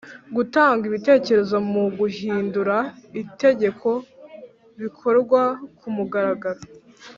Gutanga ibitekerezo mu guhindura itegeko bikorwa kumugaragaro.